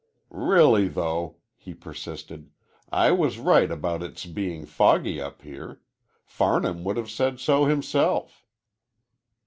"Really, though," he persisted, "I was right about it's being foggy up there. Farnham would have said so, himself."